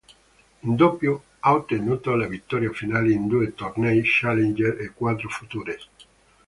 In doppio, ha ottenuto la vittoria finale in due tornei challenger e quattro futures.